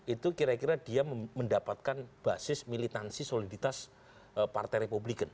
itu kira kira dia mendapatkan basis militansi soliditas partai republikan